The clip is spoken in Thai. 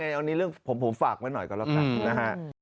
เอาอันนี้เรื่องผมฝากไว้หน่อยก่อนละค่ะ